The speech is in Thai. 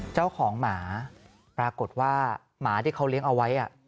เจ้าของหมาปรากฏว่าหมาที่เขาเลี้ยงเอาไว้